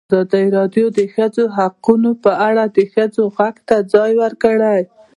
ازادي راډیو د د ښځو حقونه په اړه د ښځو غږ ته ځای ورکړی.